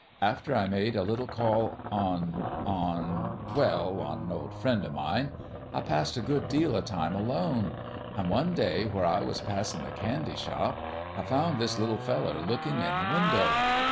After I made a little call on on well, on an old friend o' mine I passed a good deal o' time alone; an' one day where I was passin' the candy shop I found this little feller lookin' in the window.